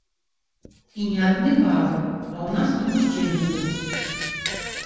І не адны бабы, а ў нас і мужчыны будуць.